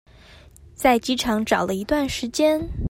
在機場找了一段時間